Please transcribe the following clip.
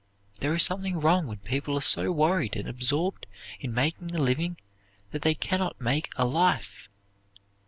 There is something wrong when people are so worried and absorbed in making a living that they can not make a life.